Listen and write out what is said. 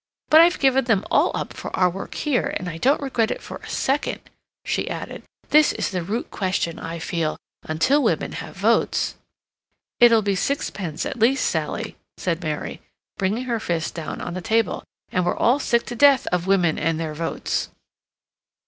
But I've given them all up for our work here, and I don't regret it for a second," she added. "This is the root question, I feel; until women have votes—" "It'll be sixpence, at least, Sally," said Mary, bringing her fist down on the table. "And we're all sick to death of women and their votes."